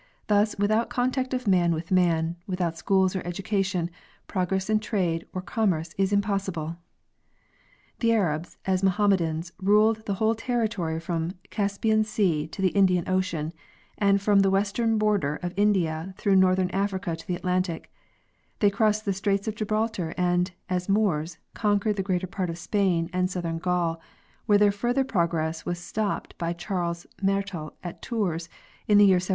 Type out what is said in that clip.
Thus, without contact of man with man, without schools or education, progress in trade or commerce is impossible. The Arabs as Mohammedans ruled the whole territory from Caspian sea to the Indian ocean, and from the western border of India through northern Africa to the Atlantic; they crossed the straits of Gibralter and, as Moors, conquered the greater part of Spain and southern Gaul, where their further progress was stopped by Charles Martel at Tours in the year 752.